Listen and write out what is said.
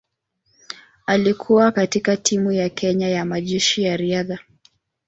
Alikuwa katika timu ya Kenya ya Majeshi ya Riadha.